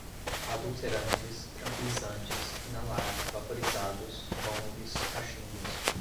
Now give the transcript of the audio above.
adulterantes, tranquilizantes, inalar, vaporizados, bongs, cachimbos